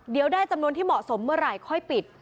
เดี๋ยวได้จำนวนที่เหมาะสมเมื่อไหร่ค่อยปิด